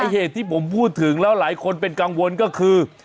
เหตุที่ผมพูดถึงแล้วหลายคนเป็นกังวลก็คือ